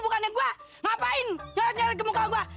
kirain mbak pocong